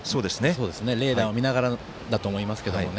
レーダーを見ながらだと思いますけどね。